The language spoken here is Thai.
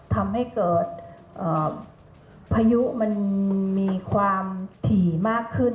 ทำให้เกิดพายุมันมีความถี่มากขึ้น